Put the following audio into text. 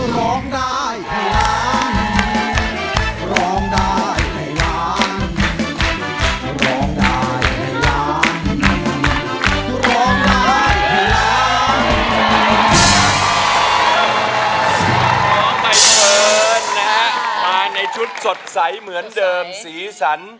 ใบเฟิร์นนะครับมาในชุดสดใสเหมือนเดิมสีสัน